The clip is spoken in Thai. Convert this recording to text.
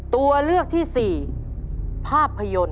ตัวเลือกที่๔ภาพยนตร์